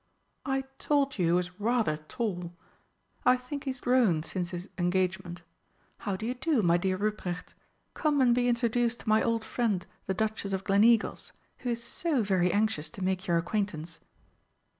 "I told you he was rather tall. I think he's grown since his engagement. How do you do, my dear Ruprecht? Come and be introduced to my old friend the Duchess of Gleneagles, who is so very anxious to make your acquaintance."